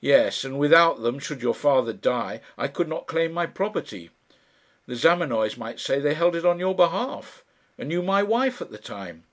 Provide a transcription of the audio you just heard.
"Yes; and without them, should your father die, I could not claim my property. The Zamenoys might say they held it on your behalf and you my wife at the time!